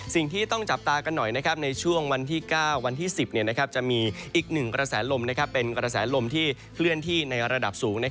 สิ่งที่ต้องจับตากันหน่อยในช่วงวันที่๙วันที่๑๐จะมีอีกหนึ่งกระแสลมเป็นกระแสลมที่เคลื่อนที่ในระดับสูง